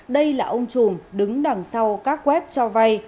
đây là ông chùm đứng đằng sau các web cho vay